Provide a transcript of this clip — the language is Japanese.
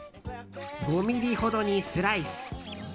５ｍｍほどにスライス。